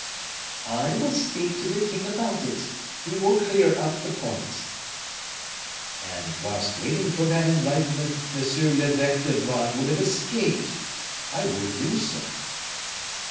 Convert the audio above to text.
"I will speak to the king about it; he will clear up the point." "And whilst waiting for that enlightenment, Monsieur l'Eveque de Vannes will have escaped. I would do so."